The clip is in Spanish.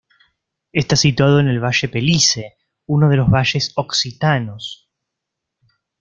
Está situado en el Valle Pellice, uno de los Valles Occitanos.